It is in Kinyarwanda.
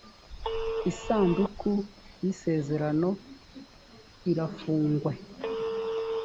isanduku y isezerano irafungue